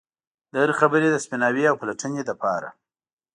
د هرې خبرې د سپیناوي او پلټنې لپاره.